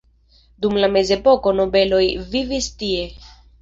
Dum la mezepoko nobeloj vivis tie.